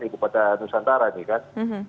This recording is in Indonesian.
kota nusantara nih kan